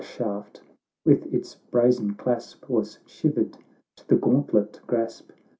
651 The axe shaft, with its brazen clasp, "Was shivered to the gauntlet grasp.